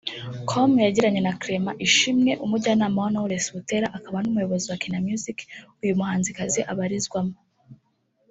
com yagiranye na Clement Ishimwe umujyanama wa Knowless Butera akaba n’umuyobozi wa Kina Music uyu muhanzikazi abarizwamo